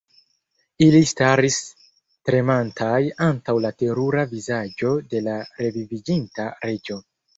Ili staris tremantaj antaŭ la terura vizaĝo de la reviviĝinta Reĝo.